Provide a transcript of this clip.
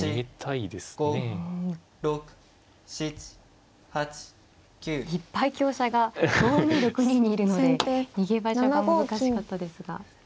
いっぱい香車が５二６二にいるので逃げ場所が難しかったですが。